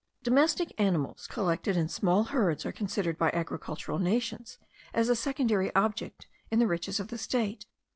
Domestic animals, collected in small herds, are considered by agricultural nations as a secondary object in the riches of the state.